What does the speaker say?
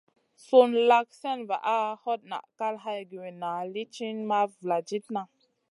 Sùn lak slèna vaʼa, hot naʼ kal hay giwinna lì ti ma vuladidna.